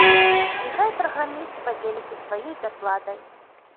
І хай праграміст падзеліцца сваёй зарплатай.